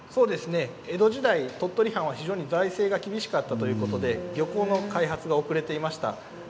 江戸時代、鳥取藩は財政が厳しかったということで漁港の開発が遅れていました。